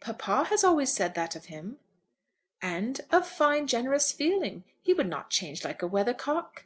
"Papa has always said that of him." "And of fine generous feeling. He would not change like a weather cock."